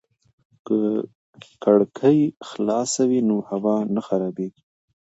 که کړکۍ خلاصې وي نو هوا نه خرابېږي.